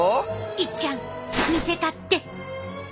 いっちゃん見せたって。